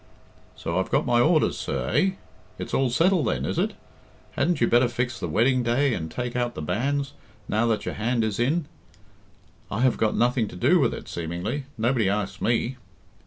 "So I've got my orders, sir, eh? It's all settled then, is it? Hadn't you better fix the wedding day and take out the banns, now that your hand is in? I have got nothing to do with it, seemingly. Nobody asks me."